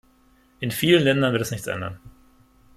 In vielen Ländern wird das nichts ändern.